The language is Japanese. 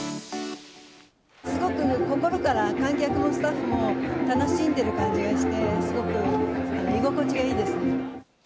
すごく心から観客もスタッフも楽しんでる感じがして、すごく居心地がいいですね。